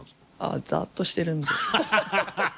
ああザッとしてるんで。